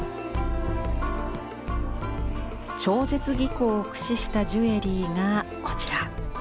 超絶技巧を駆使したジュエリーがこちら。